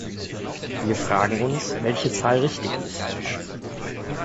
Wir fragen uns, welche Zahl richtig ist.